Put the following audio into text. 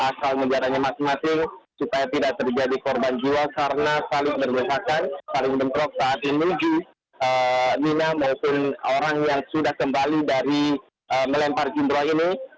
masalah menjadwannya masing masing supaya tidak terjadi korban jual karena saling berbesarkan saling memperlukan saat ini menuju mina maupun orang yang sudah kembali dari melempar jumroh ini